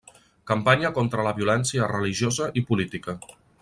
Campanya contra la violència religiosa i política.